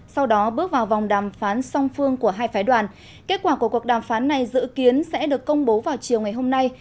sau đó bước vào vòng đàm phán song phương của hai phái đoàn kết quả của cuộc đàm phán này dự kiến sẽ được công bố vào chiều ngày hôm nay